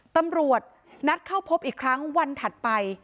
ตำรวจนัดเข้าพบอีกครั้งวันถัดไป